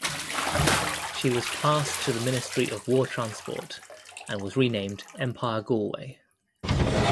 She was passed to the Ministry of War Transport and was renamed "Empire Galway".